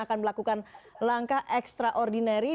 akan melakukan langkah ekstraordinari